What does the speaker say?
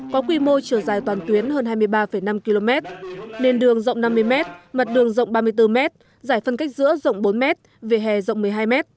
có quy mô chiều dài toàn tuyến hơn hai mươi ba năm km nền đường rộng năm mươi m mặt đường rộng ba mươi bốn m giải phân cách giữa rộng bốn m vỉa hè rộng một mươi hai m